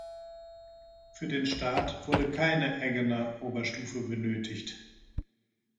Für den Start wurde keine Agena-Oberstufe benötigt.